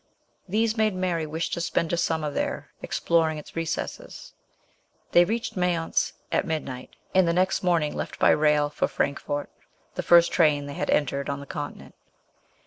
These made Mary wish to spend a summer there, ex ploring its recesses. They reached Mayence at mid night, and the next morning left by rail for Frankfort, MBS. SHELLEY. the first train they had entered on the Continent.